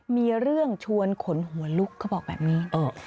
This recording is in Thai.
มีเรื่องชวนขนหัวลุกเขาบอกแบบนี้